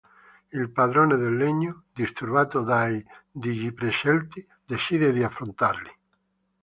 Il padrone del Legno, disturbato dai Digiprescelti, decide di affrontarli.